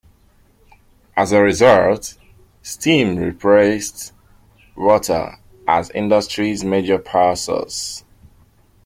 As a result, steam replaced water as industry's major power source.